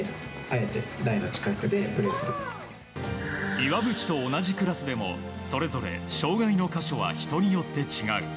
岩渕と同じクラスでもそれぞれ障害の箇所は人によって違う。